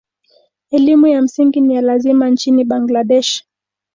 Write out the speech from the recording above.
Elimu ya msingi ni ya lazima nchini Bangladesh.